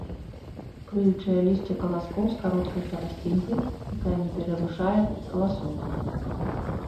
Крыючае лісце каласкоў з кароткай пласцінкай, якая не перавышае каласок.